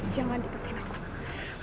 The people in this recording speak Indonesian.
jangan diketik aku